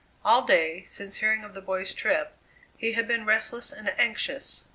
All day, since hearing of the boys' trip, he had been restless and anxious.